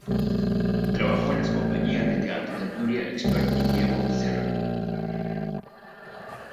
Trabajó en las compañías de teatro de Núria Espert y Diego Serrano.